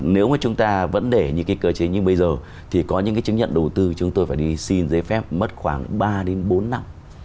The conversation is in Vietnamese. nếu mà chúng ta vẫn để những cái cơ chế như bây giờ thì có những cái chứng nhận đầu tư chúng tôi phải đi xin giấy phép mất khoảng ba đến bốn năm